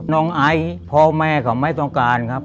ไอซ์พ่อแม่เขาไม่ต้องการครับ